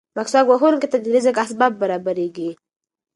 مسواک وهونکي ته د رزق اسباب برابرېږي.